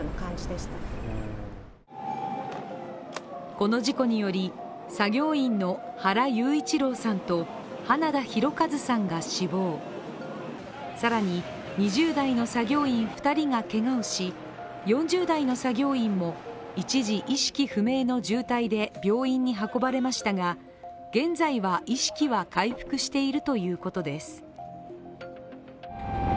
この事故により、作業員の原裕一郎さんと花田大和さんが死亡更に２０代の作業員２人がけがをし４０代の作業員も一時、意識不明の重体で病院に運ばれましたが現在は意識は回復しているということです。